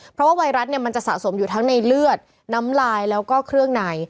เพราะว่าไวรัสเนี่ยมันจะสะสมอยู่ทั้งในเลือดน้ำลายแล้วก็เครื่องใน